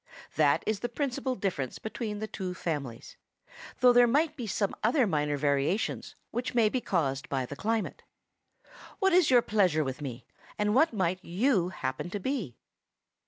That is the principal difference between the two families, though there are some other minor variations, which may be caused by the climate. What is your pleasure with me, and what might you happen to be?"